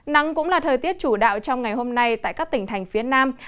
nắng cũng là thời tiết chủ đạo trong ngày hôm nay tại các tỉnh thành phía nam